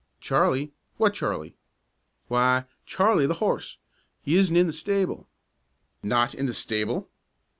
"Charlie? What Charlie?" "Why, Charlie the horse. He isn't in the stable." "Not in the stable?"